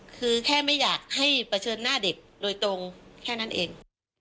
คือแค่ไม่อยากให้เผชิญหน้าเด็กโดยตรงแค่นั้นเอง